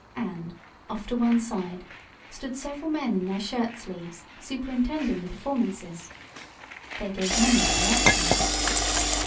And, off to one side, stood several men in their shirt sleeves superintending the performances. They gave many directions.